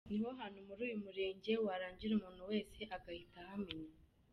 Ni ho hantu muri uyu murenge warangira umuntu wese agahita ahamenya.